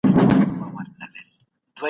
نجونې او هلکان باید ښوونځي ته لاړ شي.